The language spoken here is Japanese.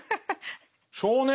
少年？